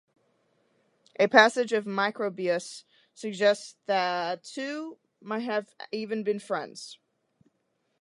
A passage of Macrobius suggests the two might have even been friends.